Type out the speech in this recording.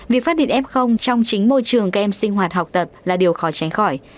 việc phát điện f trong chính môi trường các em sinh hoạt học tập là điều khó tránh khỏi